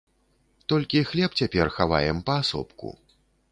Толькі хлеб цяпер хаваем паасобку.